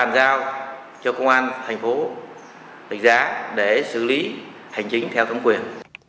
và tổ chức xét nghiệm